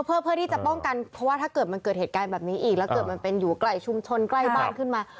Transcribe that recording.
เพื่อที่จะป้องกันเพราะว่าถ้าเกิดมันเกิดเหตุการณ์แบบนี้อีกแล้วเกิดมันเป็นอยู่ไกลชุมชนใกล้บ้านขึ้นมา